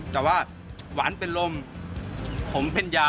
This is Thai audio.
แต่ว่าหวานเป็นลมผมเป็นยา